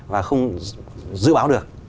và không dự báo được